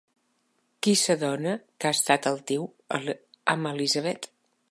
Qui s'adona que ha estat altiu amb Elizabeth?